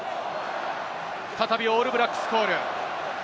再びオールブラックスコール。